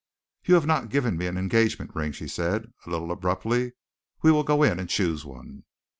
"You have not given me an engagement ring," she said, a little abruptly. "We will go in and choose one."